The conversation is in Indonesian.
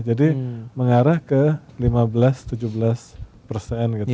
jadi mengarah ke lima belas tujuh belas gitu ya